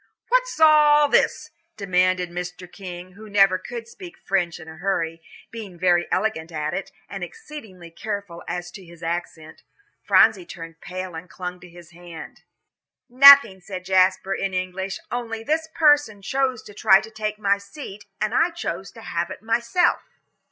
"What's all this?" demanded Mr. King, who never could speak French in a hurry, being very elegant at it, and exceedingly careful as to his accent. Phronsie turned pale and clung to his hand. "Nothing," said Jasper, in English, "only this person chose to try to take my seat, and I chose to have it myself."